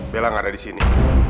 bella gak ada disini